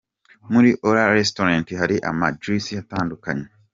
Muri Ora Restaurant hari ama jus atandukanye.